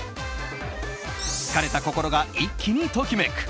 疲れたココロが一気にときめく！